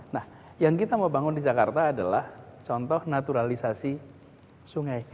nah yang kita mau bangun di jakarta adalah contoh naturalisasi sungai